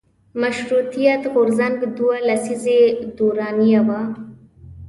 مشروطیت غورځنګ دوه لسیزې دورانیه وه.